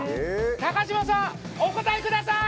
高嶋さん、お答えください！